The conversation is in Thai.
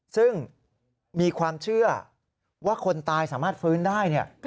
ซึ่งมีความเชื่อว่าคนตายสามารถฟื้นได้